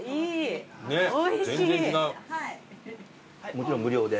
もちろん無料で？